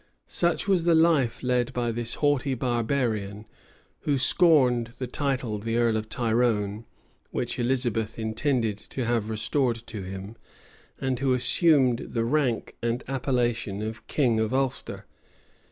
[] Such was the life led by this haughty barbarian; who scorned the title of the earl of Tyrone, which Elizabeth intended to have restored to him, and who assumed the rank and appellation of king of Ulster.